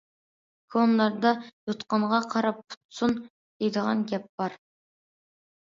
كونىلاردا« يوتقانغا قاراپ پۇت سۇن» دەيدىغان گەپ بار.